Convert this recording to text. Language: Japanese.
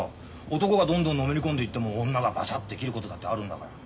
男がどんどんのめり込んでいっても女がバサッて切ることだってあるんだから。